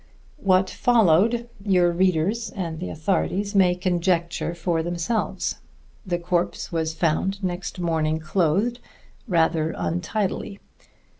What followed your readers and the authorities may conjecture for themselves. The corpse was found next morning clothed rather untidily.